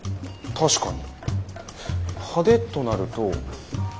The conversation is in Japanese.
確かに。